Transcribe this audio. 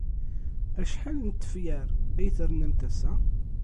Acḥal n tefyar ay ternamt ass-a?